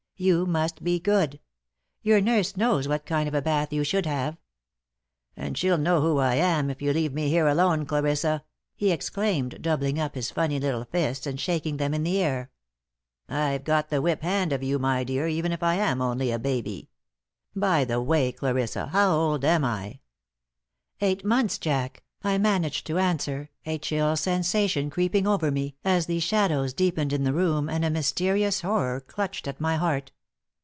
You must be good! Your nurse knows what kind of a bath you should have." "And she'll know who I am, if you leave me here alone, Clarissa," he exclaimed, doubling up his funny little fists and shaking them in the air. "I've got the whip hand of you, my dear, even if I am only a baby. By the way, Clarissa, how old am I?" "Eight months, Jack," I managed to answer, a chill sensation creeping over me, as the shadows deepened in the room and a mysterious horror clutched at my heart.